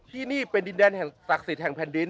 ที่นี่เป็นดินแดนศักดิ์สิตแห่งแผนนดิน